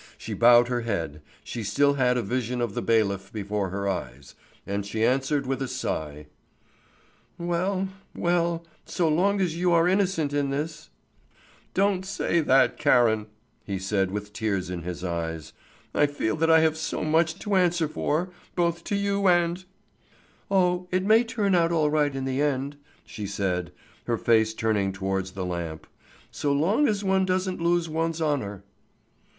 She bowed her head; she still had a vision of the bailiff before her eyes, and she answered with a sigh: "Well, well so long as you are innocent in this " "Don't say that, Karen!" he said with tears in his eyes. "I feel that I have so much to answer for both to you and " "Oh, it may turn out all right in the end," she said, her face turned towards the lamp. "So long as one doesn't lose one's honour."